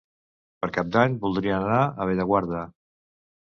Per Cap d'Any voldrien anar a Bellaguarda.